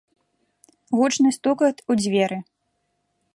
Гучны стукат у дзверы.